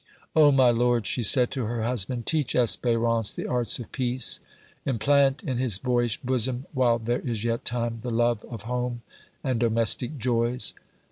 "Oh! my lord," she said to her husband, "teach Espérance the arts of peace, implant in his boyish bosom, while there is yet time, the love of home and domestic joys."